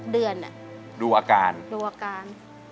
ดูอาการ